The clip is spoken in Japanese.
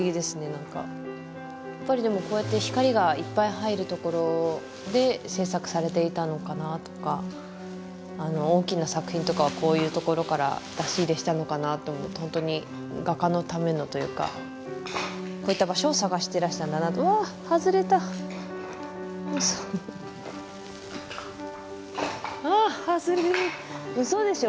何かやっぱりでもこうやって光がいっぱい入るところで制作されていたのかなーとか大きな作品とかはこういうところから出し入れしたのかなと思うとホントに画家のためのというかこういった場所を探してらしたんだなとうわっ外れたウソわあっ外れるウソでしょ？